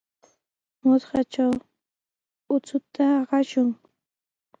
Mutrkatraw uchuta aqashun.